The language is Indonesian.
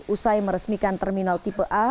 usai meresmikan terminal tipe a